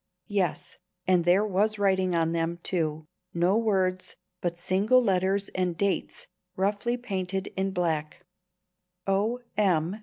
Yes and there was writing on them, too no words, but single letters and dates, roughly painted in black "O. M.